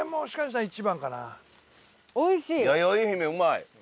やよい姫うまい。